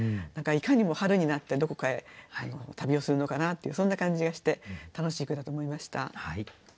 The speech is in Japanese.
何かいかにも春になってどこかへ旅をするのかなっていうそんな感じがして楽しい句だと思いました。